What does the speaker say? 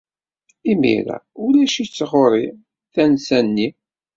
Imir-a, ulac-itt ɣer-i tansa-nni.